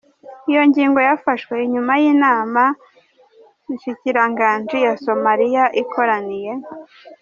Iyo ngingo yafashwe inyuma y’inama nshikiranganji ya Somalia ikoraniye.